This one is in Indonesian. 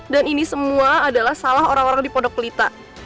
dan ini semua adalah salah orang orang di pondok klita